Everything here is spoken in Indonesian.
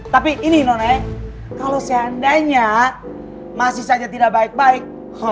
tapi ini none kalau seandainya masih saja tidak baik baik